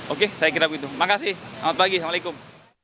oke saya kira begitu makasih selamat pagi assalamualaikum